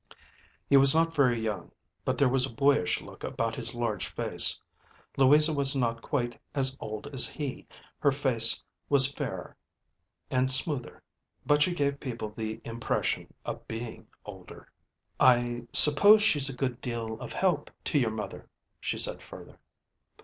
He was not very young, but there was a boyish look about his large face. Louisa was not quite as old as he, her face was fairer and smoother, but she gave people the impression of being older. ďI suppose she's a good deal of help to your mother," she said, further.